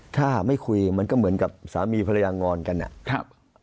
ถ้าไม่คุยมันก็เหมือนกับสามีภรรยางอนกันนะครับ